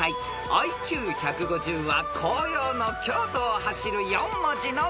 ［ＩＱ１５０は紅葉の京都を走る４文字の電車］